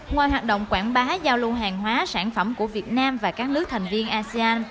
ngoài hoạt động quảng bá giao lưu hàng hóa sản phẩm của việt nam và các nước thành viên asean